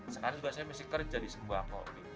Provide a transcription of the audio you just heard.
sekarang juga saya masih kerja di sembako